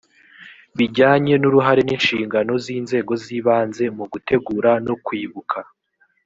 bijyanye n’uruhare n’inshingano z’inzego z’ibanze mu gutegura no kwibuka